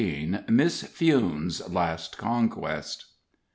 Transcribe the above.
] MISS FEWNE'S LAST CONQUEST.